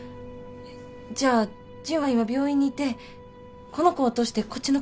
じゃあジュンは今病院にいてこの子を通してこっちのことが見えてるってこと？